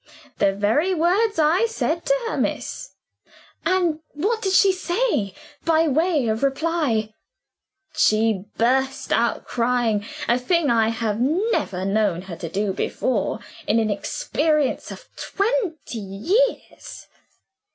"The very words I said to her, miss." "And what did she say, by way of reply?" "She burst out crying a thing I have never known her to do before, in an experience of twenty years."